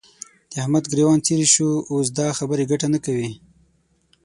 د احمد ګرېوان څيرې شو؛ اوس دا خبرې ګټه نه کوي.